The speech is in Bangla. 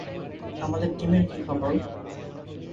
আমাদের টিমের কী খবর?